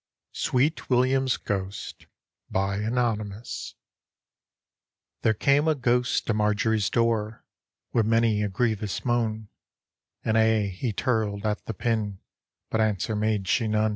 SWEET WILLIAM'S GHOST Tliere came a ghost to Marjoric's door, Wi' many a grievous moan. And aye he tirled at the pin, But answer made sht none.